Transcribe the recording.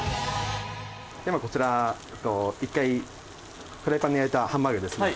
今こちら一回フライパンで焼いたハンバーグですね。